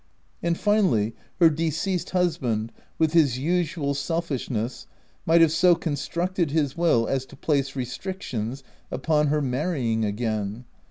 And, finally, her deceased husband, with his usual selfishness, might have so constructed his will as to place restrictions upon her marrying again.